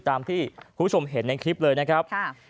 ตามที่คุณผู้ชมเห็นในคลิปเลยนะครับ